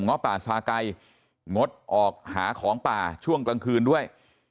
งบสะไก่หมดออกหาของป่าช่วงกลางคืนด้วย